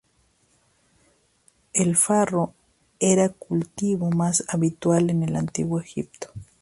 El farro era el cultivo más habitual en el antiguo Egipto.